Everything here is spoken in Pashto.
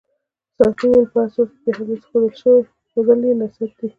ساقي وویل په هر صورت بیا هم داسې ښودل یې نصیحت دی.